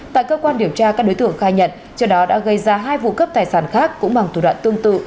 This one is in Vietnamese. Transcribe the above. tại cơ quan điều tra các đối tượng khai nhận trước đó đã gây ra hai vụ cướp tài sản khác cũng bằng thủ đoạn tương tự